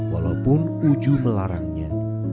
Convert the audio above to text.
walaupun uju melarangnya